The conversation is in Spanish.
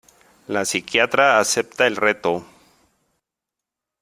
La psiquiatra acepta el reto.